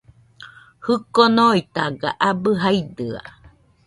Jiko noitaga abɨ jaidɨa